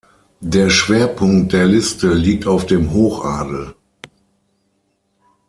Der Schwerpunkt der Liste liegt auf dem Hochadel.